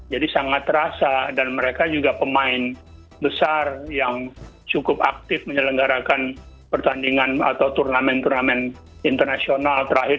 jadi sangat terasa dan mereka juga pemain besar yang cukup aktif menyelenggarakan pertandingan atau turnamen turnamen internasional terakhir